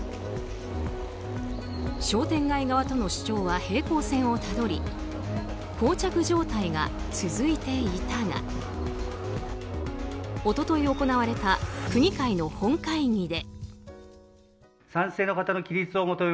商店街側との主張は平行線をたどり膠着状態が続いていたが一昨日行われた区議会の本会議で。